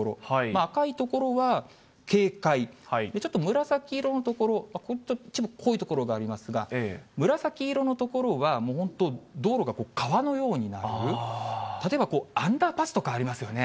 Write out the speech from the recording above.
赤い所は警戒、ちょっと紫色の所、この一部濃い所がありますが、紫色の所は、もう本当、道路が川のようになる、例えばアンダーパスとかありますよね。